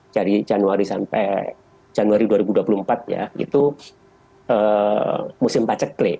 dari januari sampai januari dua ribu dua puluh empat ya itu musim paceklik